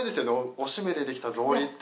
おしめでできた草履って。